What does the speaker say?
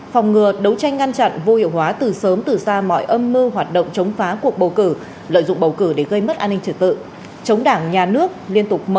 phòng ngừa đấu tranh ngăn chặn vô hiệu hóa từ sớm từ xa mọi âm mưu hoạt động chống phá cuộc bầu cử lợi dụng bầu cử để gây mất an ninh trật tự